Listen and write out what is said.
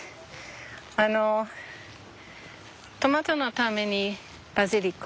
あのトマトのためにバジリコ。